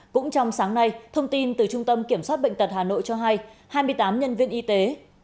cũng trong sáng nay thông tin từ trung tâm kiểm soát bệnh tật hà nội cho hay hai mươi tám nhân viên y tế